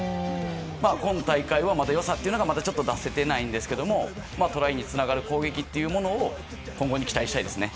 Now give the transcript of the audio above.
今大会は良さがちょっとまだ出せていないんですがトライにつながる攻撃というものを今後に期待したいですね。